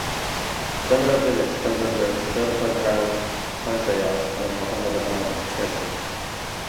Semra village comes under Sherpur gram panchayat of Mohammadabad tehsil.